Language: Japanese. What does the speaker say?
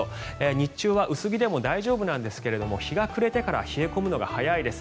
日中は薄着でも大丈夫なんですが日が暮れてから冷え込むのが早いです。